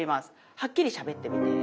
はっきりしゃべってみて。